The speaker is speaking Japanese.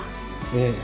ええ。